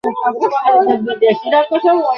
পাথরের ভার আছে, আলোর আছে দীপ্তি।